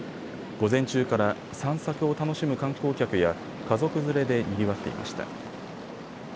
午前中から散策を楽しむ観光客や家族連れでにぎわっていました。